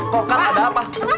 kok kan ada apa